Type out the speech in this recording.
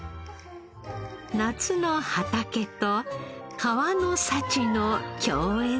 夏の畑と川の幸の競演です。